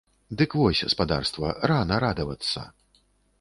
Дык вось, спадарства, рана радавацца!